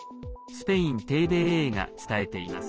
スペインＴＶＥが伝えています。